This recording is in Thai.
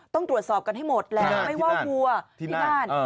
ต้องตรวจสอบกันให้หมดแหละไม่ว่าวัวที่นั่น